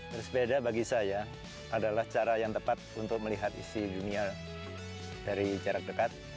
bersepeda bagi saya adalah cara yang tepat untuk melihat isi dunia dari jarak dekat